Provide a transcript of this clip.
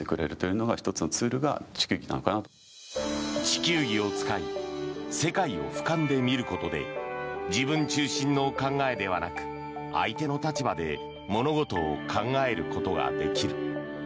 地球儀を使い世界をふかんで見ることで自分中心の考えではなく相手の立場で物事を考えることができる。